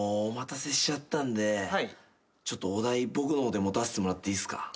お待たせしちゃったんでちょっとお代僕の方で持たせてもらっていいっすか？